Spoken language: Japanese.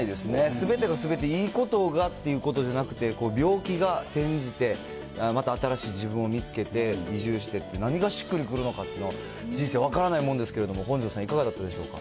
すべてがすべて、いいことがっていうことじゃなくて、病気が転じて、また新しい自分を見つけて、移住してって、何がしっくりくるのかっていうのは、人生分からないもんですけれども、本上さん、いかがだったでしょうか。